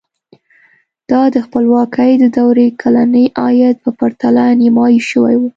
دا د خپلواکۍ د دورې کلني عاید په پرتله نیمايي شوی و.